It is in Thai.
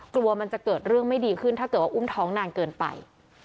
กลัวมันจะเกิดเรื่องไม่ดีขึ้นถ้าเกิดว่าอุ้มท้องนานเกินไป